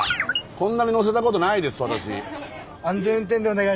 こんなに乗せたことないです私。